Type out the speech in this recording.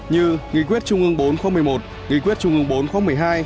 như nghị quyết trung ương bốn khóa một mươi một nghị quyết trung ương bốn khóa một mươi hai